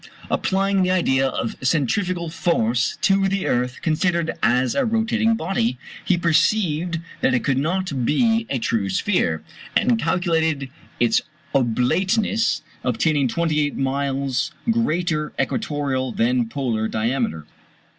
Applying the idea of centrifugal force to the earth considered as a rotating body, he perceived that it could not be a true sphere, and calculated its oblateness, obtaining 28 miles greater equatorial than polar diameter.